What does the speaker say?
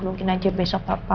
mungkin aja besok papa